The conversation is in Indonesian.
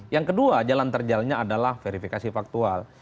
yang kedua jalan terjalnya adalah verifikasi faktual